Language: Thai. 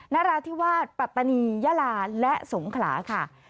นราธิวาสปัตตานียาลาและสงขลาค่ะ